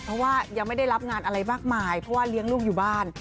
เพราะว่ายังไม่ได้รับงานอะไรมากมายเพราะว่าเลี้ยงลูกอยู่บ้าน